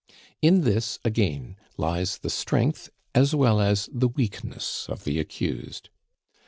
In this, again, lies the strength as well as the weakness of the accused.